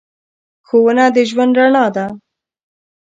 ښوونه د ژوند رڼا ده.